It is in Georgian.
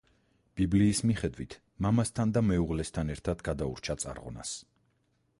ბიბლიის მიხედვით მამასთან და მეუღლესთან ერთად გადაურჩა წარღვნას.